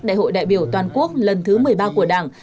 đại hội đại biểu toàn quốc lần thứ một mươi ba của đảng